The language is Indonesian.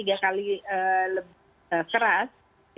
jadi kalau mereka melakukan hal tersebut